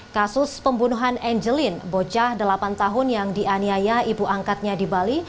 kasus pembunuhan angelin bocah delapan tahun yang dianiaya ibu angkatnya di bali